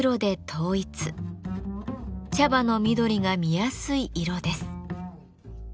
茶葉の緑が見やすい色です。